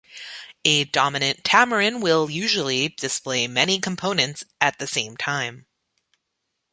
A dominant tamarin will usually display many components at the same time.